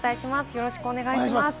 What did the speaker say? よろしくお願いします。